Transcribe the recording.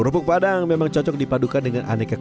kerupuk padang memang cocok dipadukan dengan aneka